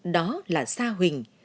đó là xa huỳnh